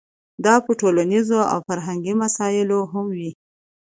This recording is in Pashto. دا په ټولنیزو او فرهنګي مسایلو هم وي.